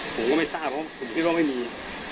ผมก็ไม่ทราบเพราะผมคิดว่าไม่มี